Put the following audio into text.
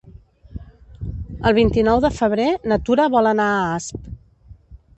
El vint-i-nou de febrer na Tura vol anar a Asp.